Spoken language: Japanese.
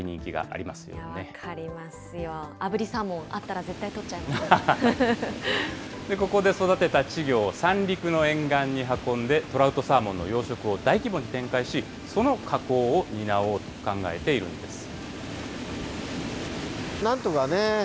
あぶりサーモン、ここで育てた稚魚を三陸の沿岸に運んで、トラウトサーモンの養殖を大規模に展開し、その加工を担おうと考えているんです。